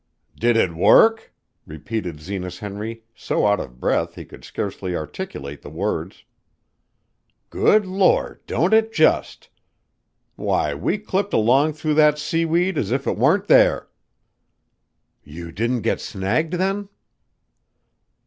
"Did it work?" repeated Zenas Henry so out of breath that he could scarcely articulate the words. "Good Lord, don't it just! Why, we clipped along through that seaweed as if it warn't there." "You didn't get snagged then?"